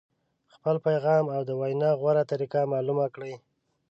خپل پیغام او د وینا غوره طریقه معلومه کړئ.